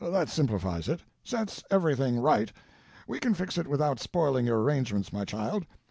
That simplifies it—sets everything right. We can fix it without spoiling your arrangements, my child.